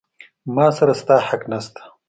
ما سره ستا حق نسته.